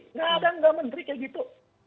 enggak ada enggak menteri kayak gitu